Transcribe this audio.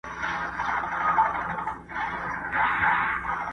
یوه ورځ به په سینه کي د مرګي واری پر وکړي،